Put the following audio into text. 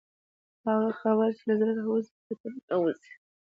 هغه خبرې چې له زړه راوځي زړه ته ننوځي.